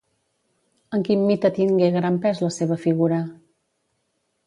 En quin mite tingué gran pes la seva figura?